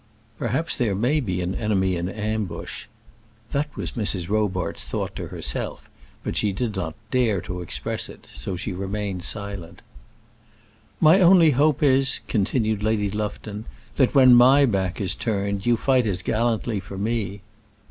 "Perhaps there may be an enemy in ambush." That was Mrs. Robarts' thought to herself, but she did not dare to express it, so she remained silent. "My only hope is," continued Lady Lufton, "that when my back is turned you fight as gallantly for me."